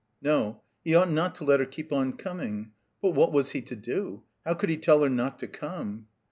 No. He ought not to let her keep on coming. But what was he to do? How could he tell her not to come?